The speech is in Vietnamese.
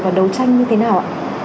và đấu tranh như thế nào